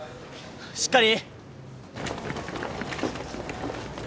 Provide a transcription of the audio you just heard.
しっかり！